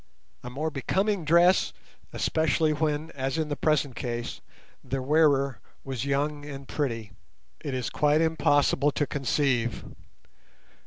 A more becoming dress, especially when, as in the present case, the wearer was young and pretty, it is quite impossible to conceive.